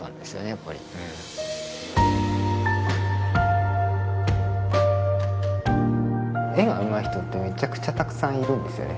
やっぱり絵がうまい人ってめちゃくちゃたくさんいるんですよね